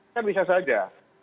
kan bisa saja